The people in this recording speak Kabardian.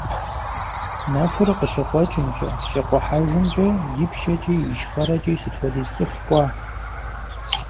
Нэхур къыщыкъуэкӀымкӀэ, щыкъухьэжымкӀэ, ипщэкӀи, ищхъэрэкӀи сыт хуэдиз цӀыху кӀуа!